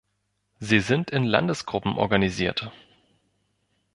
Sie sind in Landesgruppen organisiert.